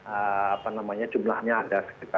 apa namanya jumlahnya ada